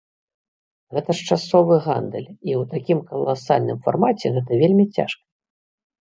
Гэта ж часовы гандаль, і ў такім каласальным фармаце гэта вельмі цяжка.